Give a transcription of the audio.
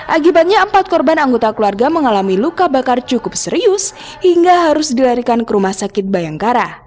akibatnya empat korban anggota keluarga mengalami luka bakar cukup serius hingga harus dilarikan ke rumah sakit bayangkara